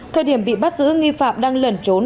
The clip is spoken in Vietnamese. thời điểm bị bắt giữ nghi phạm đang lẩn trốn